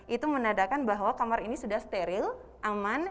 itu menandakan bahwa kamar ini sudah steril aman